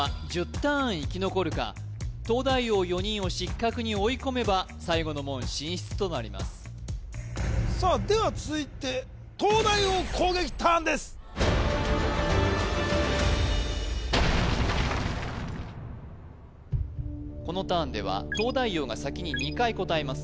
ターン生き残るか東大王４人を失格に追い込めば最後の門進出となりますさあでは続いてこのターンでは東大王が先に２回答えます